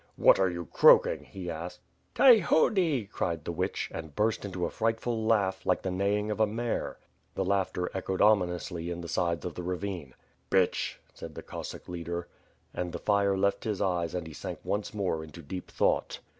"What are you croaking?" he asked. "Tayhodi," cried the witch, and burst into a frightful laugh; like the neighing of a maie. The laughter echoed ominously in the sides of the ravine. "Bitch!" said the Cossack leader. And the fire left his eyes and he sank once more into deep thought.